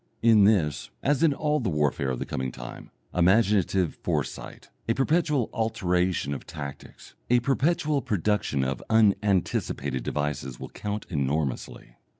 In this, as in all the warfare of the coming time, imaginative foresight, a perpetual alteration of tactics, a perpetual production of unanticipated devices, will count enormously.